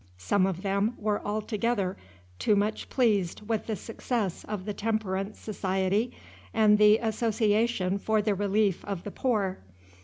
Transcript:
Some of them were altogether too much pleased with the success of the Temperance Society and the Association for the Relief of the Poor.